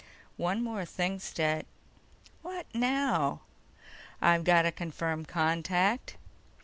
"One more thing, Stet." "What now?" "I've got a confirmed contact."